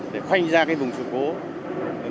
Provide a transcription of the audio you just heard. để khoanh ra cái vùng sự cố